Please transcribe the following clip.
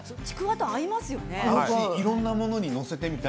ちくわと合いますよね。